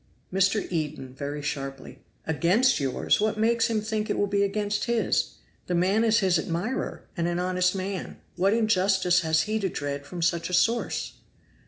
Mr. Eden (very sharply). "Against yours? what makes him think it will be against his? The man is his admirer, and an honest man. What injustice has he to dread from such a source?"